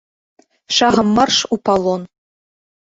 Шагам марш у палон!